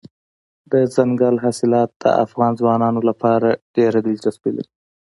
دځنګل حاصلات د افغان ځوانانو لپاره ډېره دلچسپي لري.